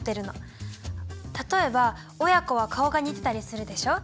例えば親子は顔が似てたりするでしょ？